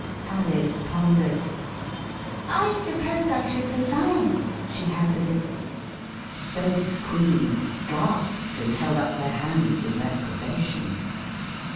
Alice pondered. I suppose I should resign, " she hazarded. Both Queens gasped and held up their hands in reprobation.